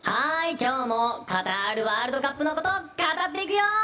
今日もカタールワールドカップのことをカタッていくよ。